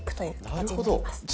なるほど！